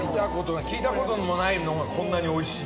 聞いたこともないのがこんなにおいしい。